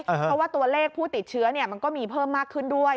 เพราะว่าตัวเลขผู้ติดเชื้อมันก็มีเพิ่มมากขึ้นด้วย